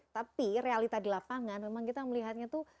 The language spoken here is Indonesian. tapi realita di lapangan memang kita melihatnya itu